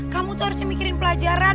kamu tuh harusnya mikirin pelajaran